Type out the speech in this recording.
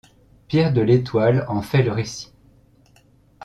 Pierre de L'Estoile en fait le récit.